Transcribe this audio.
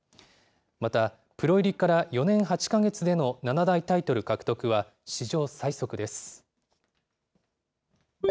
また、プロ入りから４年８か月での七大タイトル獲得は、史上最速です。